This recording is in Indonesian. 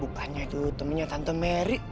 bukannya itu temennya tante merik